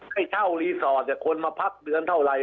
ให้เช่ารีสอร์ทคนมาพักเดือนเท่าไหร่